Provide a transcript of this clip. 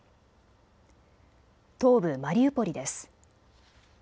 東部マリウポリです。